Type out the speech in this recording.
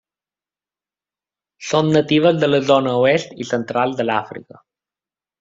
Són natives de la zona oest i central de l'Àfrica.